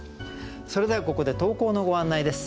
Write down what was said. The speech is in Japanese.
それではここで投稿のご案内です。